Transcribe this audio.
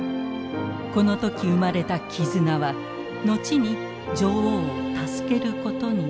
この時生まれた絆は後に女王を助けることになる。